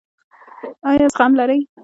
ایا زغم لرئ؟